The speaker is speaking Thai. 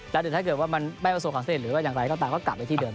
หรือถ้าเกิดว่ามันไม่เอาส่วนของเส้นหรือว่าอย่างไรก็ตามกลับไปที่เดิม